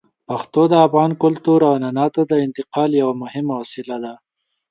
پښتو د افغان کلتور او عنعناتو د انتقال یوه مهمه وسیله ده.